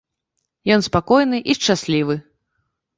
Ён спакойны і шчаслівы.